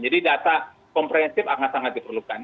jadi data komprehensif akan sangat diperlukan